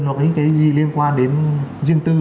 hoặc là những cái gì liên quan đến dân tư